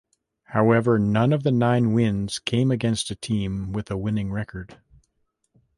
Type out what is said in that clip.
However, none of the nine wins came against a team with a winning record.